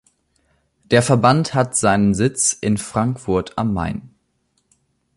Der Verband hat seinen Sitz in Frankfurt am Main.